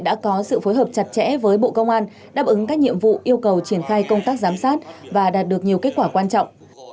đã có sự phối hợp chặt chẽ với bộ công an đáp ứng các nhiệm vụ yêu cầu triển khai công tác giám sát và đạt được nhiều kết quả quan trọng